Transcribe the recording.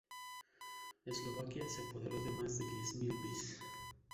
Eslovaquia se apoderó de más de diez mil vz.